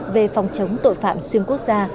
về phòng chống tội phạm xuyên quốc gia